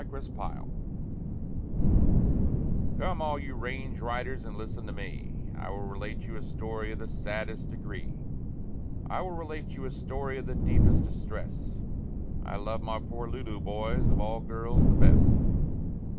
THE RANGE RIDERS Come all you range riders and listen to me, I will relate you a story of the saddest degree, I will relate you a story of the deepest distress, I love my poor Lulu, boys, of all girls the best.